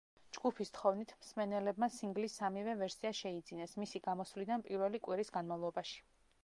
ჯგუფის თხოვნით, მსმენელებმა სინგლის სამივე ვერსია შეიძინეს მისი გამოსვლიდან პირველი კვირის განმავლობაში.